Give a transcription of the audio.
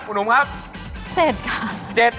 หนุ่มครับ๗ค่ะ